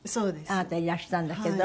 あなたいらしたんだけど。